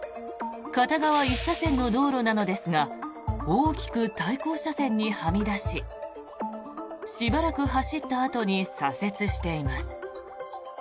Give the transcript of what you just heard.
片側１車線の道路なのですが大きく対向車線にはみ出ししばらく走ったあとに左折しています。